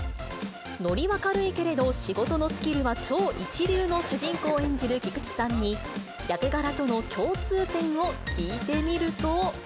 ノリは軽いけれど仕事のスキルは超一流の主人公を演じる菊池さんに、役柄との共通点を聞いてみると。